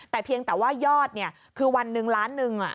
แต่เพียงแต่ว่ายอดคือวันหนึ่งล้านหนึ่ง